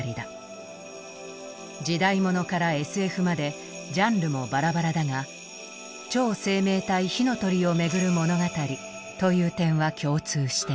時代物からＳＦまでジャンルもバラバラだが「超生命体・火の鳥をめぐる物語」という点は共通している。